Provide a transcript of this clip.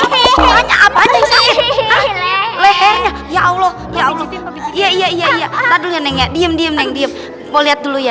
lehernya ya allah iya iya iya iya dia menengah diam diam nengdiam lihat dulu ya